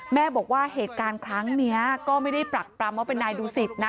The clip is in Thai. แม่บอกว่าเหตุการณ์ครั้งนี้ก็ไม่ได้ปรักปรำว่าเป็นนายดูสิตนะ